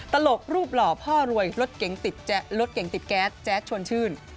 ตลกรูปหล่อพ่อรวยรถเก่งติดแก๊สแจ๊ดชวนชื่น